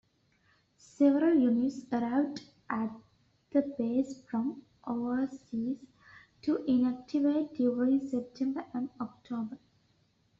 Several units arrived at the base from overseas to inactivate during September and October.